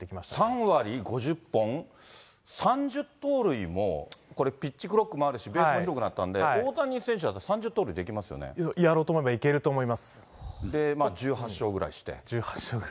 ３割、５０本、３０盗塁も、これ、ピッチクロックもあるし、ベースも広くなったんで、大谷選手だとやろうと思えばいけると思い１８勝ぐらいして。